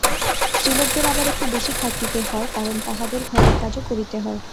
স্ত্রীলোকদের আবার একটু বেশী খাটিতে হয়, কারণ তাহাদের ঘরের কাজও করিতে হয়।